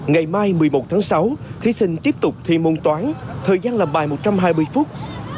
ngày mai một mươi một tháng sáu thí sinh tiếp tục thi môn toán thời gian làm bài một trăm hai mươi phút